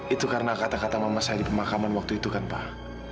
itu karena kata kata mama saya di pemakaman waktu itu kan pak